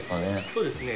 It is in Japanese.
そうですね。